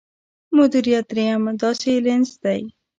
مديريت درېيم داسې لينز دی.